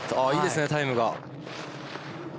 いいですね、タイムが。